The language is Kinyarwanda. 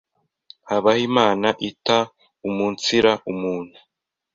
habaho Imana itaumunsira umuntu